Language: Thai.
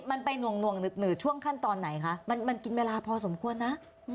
มันไปหน่วงหนึกช่วงขั้นตอนไหนคะมันกินเวลาพอสมควรนะ